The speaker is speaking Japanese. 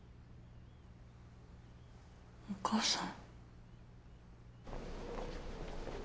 お母さん。